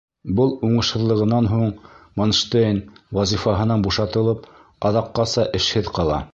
Был уңышһыҙлығынан һуң Манштейн, вазифаһынан бушатылып, аҙаҡҡаса эшһеҙ ҡала.